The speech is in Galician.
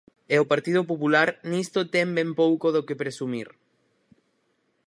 E o Partido Popular nisto ten ben pouco do que presumir.